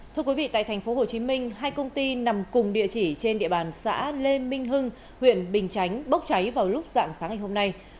thưa quý vị tại tp hcm hai công ty nằm cùng địa chỉ trên địa bàn xã lê minh hưng huyện bình chánh bốc cháy vào lúc dạng sáng ngày hôm nay